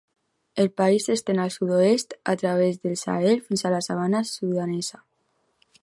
El país s'estén al sud-oest a través del Sahel fins a la sabana sudanesa.